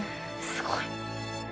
すごい！